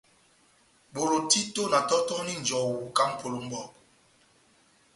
Bolo títo na tɔtɔhɔni njɔwu kahá mʼpolo mɔ́bu.